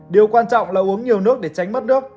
điều quan trọng là uống nhiều nước để tránh mất nước